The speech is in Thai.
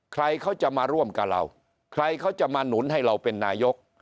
ใครเขาจะมาร่วมกับเราใครเขาจะมาหนุนให้เราเป็นนายก